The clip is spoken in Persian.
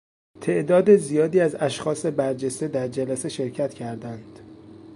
تعداد زیادی از اشخاص برجسته در جلسه شرکت کردند.